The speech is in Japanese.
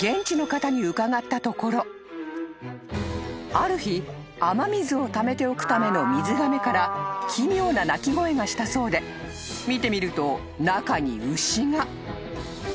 ［ある日雨水をためておくための水がめから奇妙な鳴き声がしたそうで見てみると中に牛が］